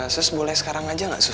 sus boleh sekarang aja nggak sus